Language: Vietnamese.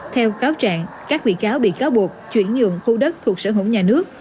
theo cáo trạng các bị cáo bị cáo buộc chuyển nhượng khu đất thuộc sở hữu nhà nước